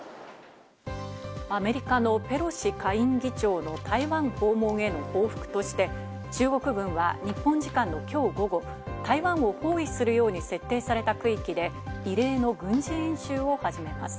アメリカのペロシ下院議長の台湾訪問への報復として、中国軍は日本時間の今日午後、台湾を包囲するように設定された区域で、異例の軍事演習を始めます。